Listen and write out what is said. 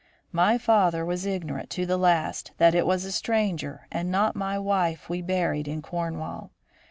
My father was ignorant to the last that it was a stranger and not my wife we buried in Cornwall.